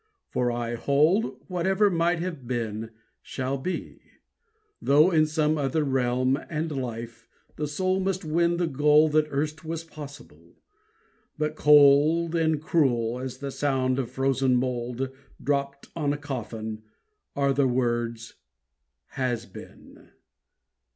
for I hold Whatever might have been shall be. Though in Some other realm and life, the soul must win The goal that erst was possible. But cold And cruel as the sound of frozen mould Dropped on a coffin, are the words "Has been."